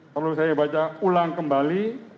perlu saya baca ulang kembali